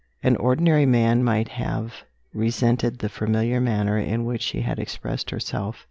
An ordinary man might have resented the familiar manner in which she had expressed herself.